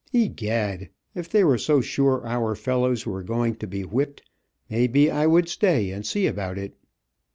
Egad, if they were so sure our fellows were going to be whipped, may be I would stay and see about it.